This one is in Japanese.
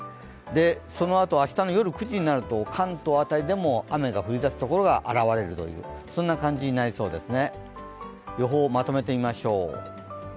そのあと明日の夜９時になると、関東辺りでも雨が降り出すところが現れる、そんな感じになりそうですね。